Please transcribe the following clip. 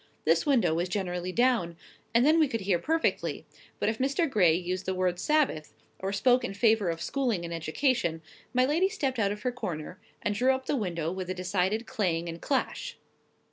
This window was generally down, and then we could hear perfectly; but if Mr. Gray used the word "Sabbath," or spoke in favour of schooling and education, my lady stepped out of her corner, and drew up the window with a decided clang and clash.